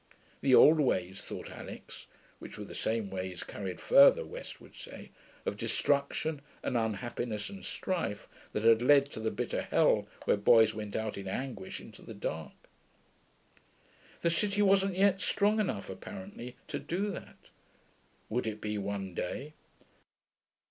The old ways, thought Alix (which were the same ways carried further, West would say), of destruction and unhappiness and strife, that had led to the bitter hell where boys went out in anguish into the dark. The city wasn't yet strong enough, apparently, to do that. Would it be one day?